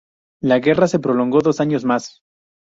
La guerra se prolongó dos años más.